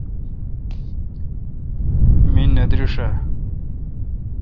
می نہ درݭ اؘ۔